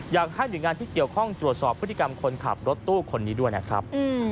อยากให้หน่วยงานที่เกี่ยวข้องตรวจสอบพฤติกรรมคนขับรถตู้คนนี้ด้วยนะครับ